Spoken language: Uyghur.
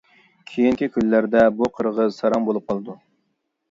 كېيىنكى كۈنلەردە بۇ قىرغىز ساراڭ بولۇپ قالىدۇ.